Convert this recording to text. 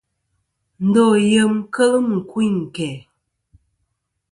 Ndo yem kel mɨkuyn ɨ̀nkæ̀.